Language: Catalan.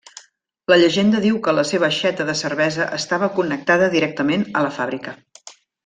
La llegenda diu que la seva aixeta de cervesa estava connectada directament a la fàbrica.